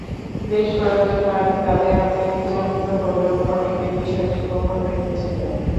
বেশ কয়েকজন নারী তাঁদের হাতে নির্যাতিত হলেও অনেকে বিষয়টি গোপন রেখেছিলেন।